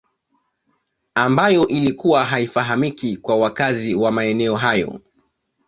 Ambayo ilikuwa haifahamiki kwa wakazi wa maeneo hayo